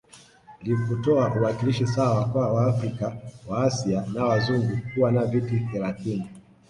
Likutoa uwakilishi sawa kwa waafrika waasia na wazungu kuwa na viti thelathini